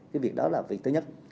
cái việc đó là việc thứ nhất